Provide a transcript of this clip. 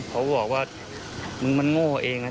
เขาบอกว่ามึงมันโง่เอง